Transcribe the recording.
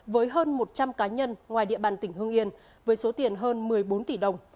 với hơn một trăm linh cá nhân ngoài địa bàn tỉnh hương yên với số tiền hơn một mươi bốn tỷ đồng